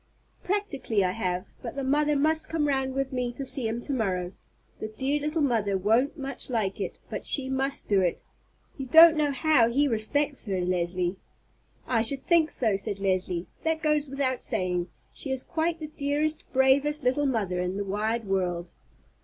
"Practically I have; but the mother must come round with me to see him to morrow. The dear little mother won't much like it; but she must do it. You don't know how he respects her, Leslie." "I should think so," said Leslie; "that goes without saying. She is quite the dearest, bravest little mother in the wide world."